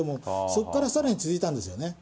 そこからさらに続いたんですよね。